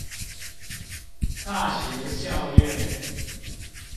大學校院